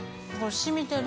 染みてる。